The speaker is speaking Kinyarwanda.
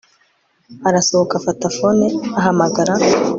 arasohokaafata phone ahamagara